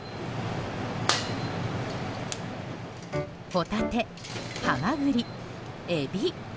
ホタテ、ハマグリ、エビ。